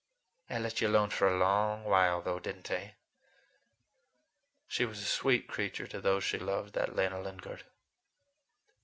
I let you alone for a long while, though, did n't I?" She was a sweet creature to those she loved, that Lena Lingard!